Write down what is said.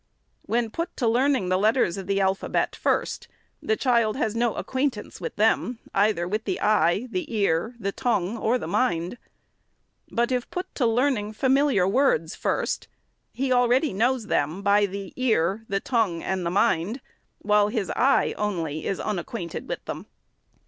When put to learning the letters of the alphabet first, the child has no acquaintance with them, either with the eye, the ear, the tongue, or the mind ; but if put to learning familiar words first, he already knows them by the ear, the tongue, and the mind, while his eye only is unacquainted with them.